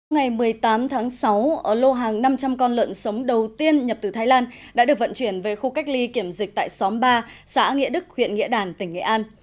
ngày một mươi tám tháng sáu lô hàng năm trăm linh con lợn sống đầu tiên nhập từ thái lan đã được vận chuyển về khu cách ly kiểm dịch tại xóm ba xã nghĩa đức huyện nghĩa đàn tỉnh nghệ an